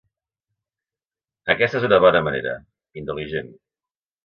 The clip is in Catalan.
Aquesta és una bona manera, intel·ligent.